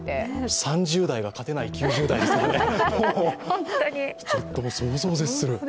３０代が勝てない９０代ですからね、想像を絶する。